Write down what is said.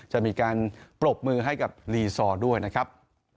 จะมีการปรบมือให้กับลีซอร์ด้วยนะครับ